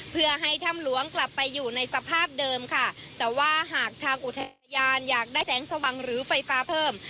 เพื่อให้ถ้ำหลวงกลับไปอยู่ในสภาพเดิมค่ะแต่ว่าหากทางอุทยานอยากได้แสงสว่างหรือไฟฟ้าเพิ่ม